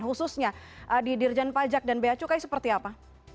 khususnya di dirjen pajak dan beacukai seperti apa